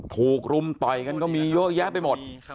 รุมต่อยกันก็มีเยอะแยะไปหมด